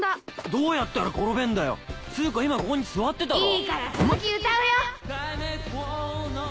どうやったら転べんだよつうか今ここに座ってたろ。